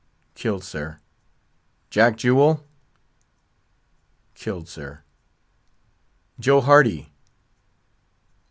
"Killed, sir." "Jack Jewel?" "Killed, sir." "Joe Hardy?"